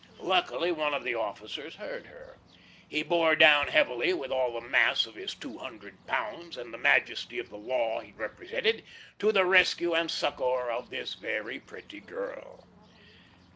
Luckily one of the officers heard her. He bore down heavily with all the mass of his two hundred pounds and the majesty of the law he represented, to the rescue and succour of this very pretty girl.